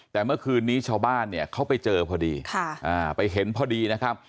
แต่เมื่อคืนนี้ชาวบ้านเนี่ยเขาไปเจอพอดีไปเห็นพอดีนะครับ